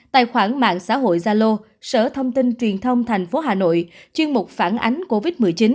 tài khoản mạng xã hội gia lô sở thông tin truyền thông thành phố hà nội chuyên mục phản ánh covid một mươi chín